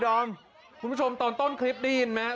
ดอมคุณผู้ชมตอนต้นคลิปได้ยินไหมครับ